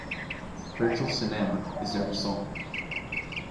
Virtual cinema is the result.